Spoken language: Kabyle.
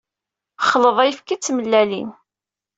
Xleḍ ayefki d tmellalin.